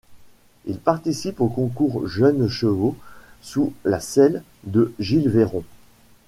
Elle participe aux concours jeunes chevaux sous la selle de Gilles Veron.